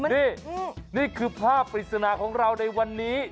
นี่นี่คือภาพปริศนาของเราในวันนี้